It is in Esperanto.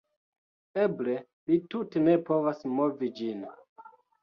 Eble li tute ne povas movi ĝin